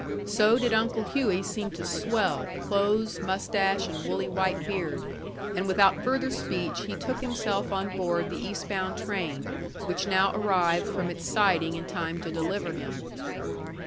So did Uncle Hughey seem to swell, clothes, mustache, and woolly white beard; and without further speech he took himself on board the Eastbound train, which now arrived from its siding in time to deliver him.